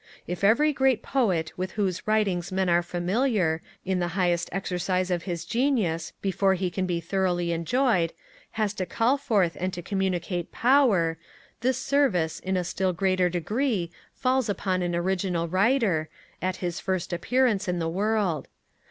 If every great poet with whose writings men are familiar, in the highest exercise of his genius, before he can be thoroughly enjoyed, has to call forth and to communicate power, this service, in a still greater degree, falls upon an original writer, at his first appearance in the world.